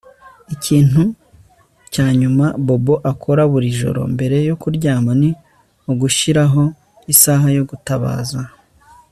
Ikintu cya nyuma Bobo akora buri joro mbere yo kuryama ni ugushiraho isaha yo gutabaza